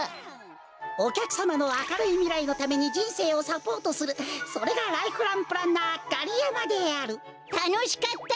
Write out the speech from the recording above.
おきゃくさまのあかるいみらいのためにじんせいをサポートするそれがライフランプランナーガリヤマであるたのしかった！